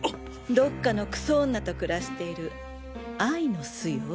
どっかのクソ女と暮らしている愛の巣よ。